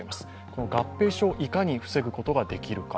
この合併症をいかに防ぐことができるか。